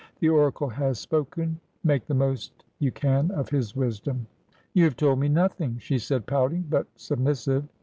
' The oracle has spoken. Make the most you can of his wisdom.' ' You have told me nothing,' she said, pouting, but sub missive.